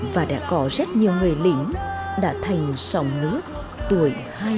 và đã có rất nhiều người lính đã thành sông nước tuổi hai mươi